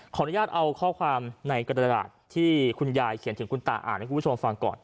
อนุญาตเอาข้อความในกระดาษที่คุณยายเขียนถึงคุณตาอ่านให้คุณผู้ชมฟังก่อน